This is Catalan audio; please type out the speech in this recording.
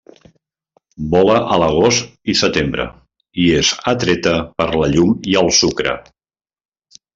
Vola a l'agost i setembre, i és atreta per la llum i el sucre.